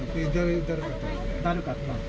だるかったです。